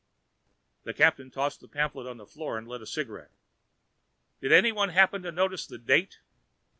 The captain tossed the pamphlet to the floor and lit a cigarette. "Did anyone happen to notice the date?"